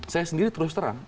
saya sendiri terus terang